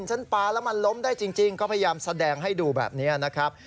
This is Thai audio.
ฉันปลาแล้วมันล้มได้จริงก็พยายามแสดงให้ดูแบบนี้นะครับ